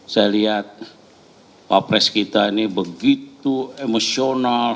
saya lihat wapres kita ini begitu emosional